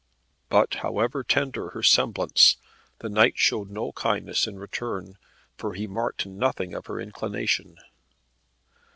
But however tender her semblance the knight showed no kindness in return, for he marked nothing of her inclination.